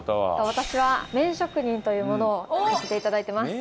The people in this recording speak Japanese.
私は麺職人というものをやらせて頂いてます。